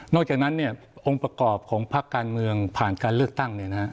อกจากนั้นองค์ประกอบของพักการเมืองผ่านการเลือกตั้ง